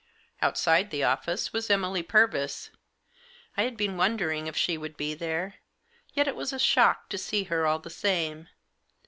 Outside the office was Emily Purvis, I had been wondering if she would be there, yet it was a shock to see her all the same.